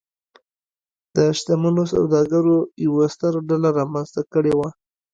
د شتمنو سوداګرو یوه ستره ډله رامنځته کړې وه.